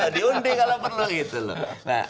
diundi kalau perlu gitu loh